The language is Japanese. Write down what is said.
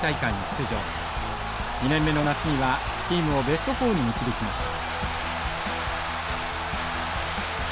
２年目の夏にはチームをベスト４に導きました。